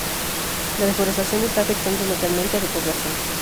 La deforestación está afectando localmente a su población.